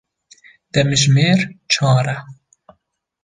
Demjimêr çar e.